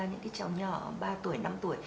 những cái cháu nhỏ ba tuổi năm tuổi